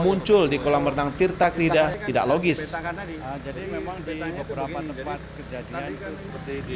muncul di kolam renang tirta krida tidak logis jadi memang di beberapa tempat kejadian itu seperti di